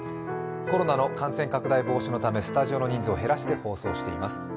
コロナの感染拡大防止のためスタジオの人数を減らして放送しています。